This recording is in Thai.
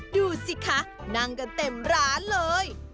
ดูสิคะนั่งกันเต็มร้านเลย